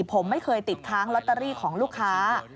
ผมไม่เคยติดค้างลอตเตอรี่ของลูกค้า